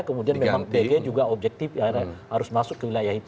kemudian memang bg juga objektif harus masuk ke wilayah itu